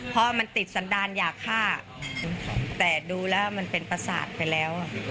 เพราะมันติดสันดาลอยากฆ่าแต่ดูแล้วมันเป็นประสาทไปแล้ว